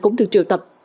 cũng được triều tập